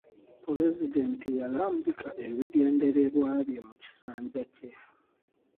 Pulezidenti yalambika ebigendererwa bye mu kisanja kye.